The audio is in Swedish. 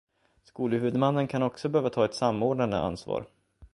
Skolhuvudmannen kan också behöva ta ett samordnande ansvar.